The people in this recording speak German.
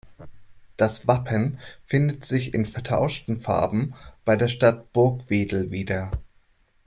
Das Wappen findet sich in vertauschten Farben bei der Stadt Burgwedel wieder.